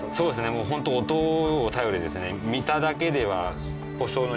もうホント音を頼りにですね。